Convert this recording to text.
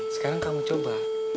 sekarang kamu coba